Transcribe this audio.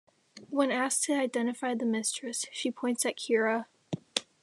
When asked to identify the mistress, she points at Kira.